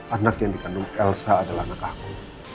anak yang dikandung elsa adalah anakku